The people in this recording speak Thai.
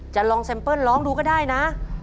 จะลองแซมเปิ้ลร้องดูก็ได้นะ